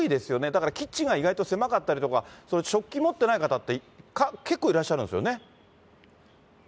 だからキッチンが意外と狭かったりとか、食器持ってない方って、結構いらっしゃるんですよね。